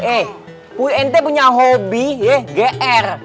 eh pui ente punya hobi ya gr